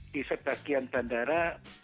di sebagian bandara